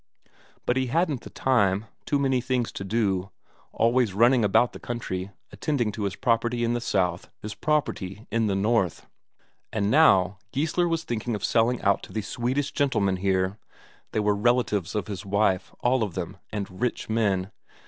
But he hadn't the time, too many things to do, always running about the country, attending to his property in the south, his property in the north. And now Geissler was thinking of selling out to these Swedish gentlemen here; they were relatives of his wife, all of them, and rich men.